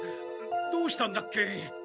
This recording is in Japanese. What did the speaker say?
どうしたんだっけ？